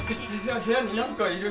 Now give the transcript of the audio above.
部屋になんかいる！